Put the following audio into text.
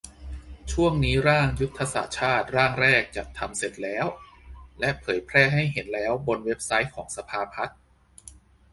ช่วงนี้ร่าง ยุทธศาสตร์ชาติ ร่างแรกจัดทำเสร็จแล้ว และเผยแพร่ให้เห็นแล้วบนเว็บไซต์ของสภาพัฒน์